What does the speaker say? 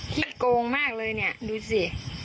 ที่โกงมากเลยเนี่ยดูสิ